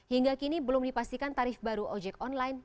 hingga kini belum dipastikan tarif baru ojek online